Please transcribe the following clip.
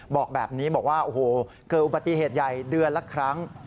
บอกแบบนี้บอกว่าโอ้โหเกิดอุบัติเหตุใหญ่เดือนละครั้ง